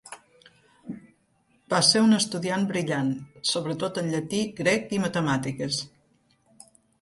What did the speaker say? Va ser un estudiant brillant, sobretot en llatí, grec i matemàtiques.